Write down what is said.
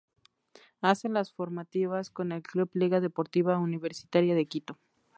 Hace las formativas con el club Liga Deportiva Universitaria de Quito.